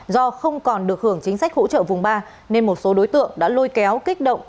do không còn được hưởng chính sách hỗ trợ vùng ba nên một số đối tượng đã lôi kéo kích động